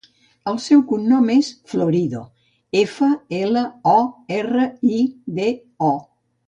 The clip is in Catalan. El seu cognom és Florido: efa, ela, o, erra, i, de, o.